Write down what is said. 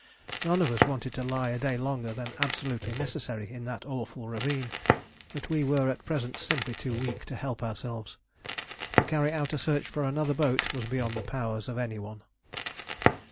None of us wanted to lie a day longer than absolutely necessary in that awful ravine, but we were at present simply too weak to help ourselves. To carry out a search for another boat was beyond the powers of any one.